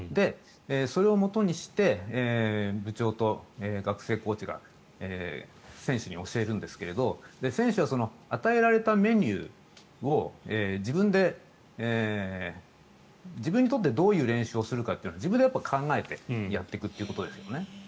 それをもとにして部長と学生コーチが選手に教えるんですけど選手は与えられたメニューを自分にとってどういう練習をするかというのは自分で考えてやっていくということですよね。